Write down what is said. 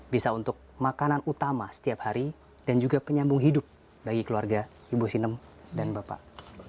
bisa untuk makanan utama setiap hari dan juga penyambung hidup bagi keluarga ibu sinem dan bapak